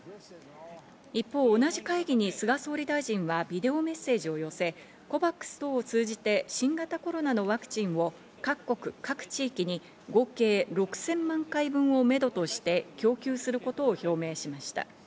一方、同じ会議に菅総理大臣はビデオメッセージを寄せ、ＣＯＶＡＸ等を通じて新型コロナのワクチンを各国・各地域に合計６０００万回分をめどとして供給することを表明しました。